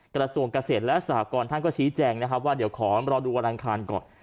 กระทรวงเกษตรและสหกรท่านก็ชี้แจงนะครับว่าเดี๋ยวขอรอดูวันอังคารก่อน